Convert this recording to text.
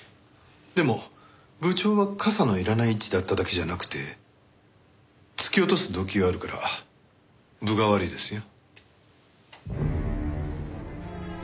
でも部長は傘のいらない位置だっただけじゃなくて突き落とす動機があるから分が悪いですよ。